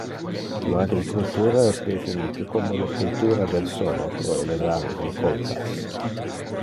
Le agricultura es definite como le cultura del solo pro elevar recoltas.